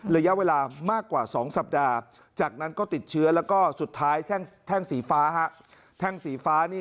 ระยะเวลามากกว่า๒สัปดาห์จากนั้นก็ติดเชื้อแล้วก็สุดท้ายแท่งสีฟ้าแท่งสีฟ้านี่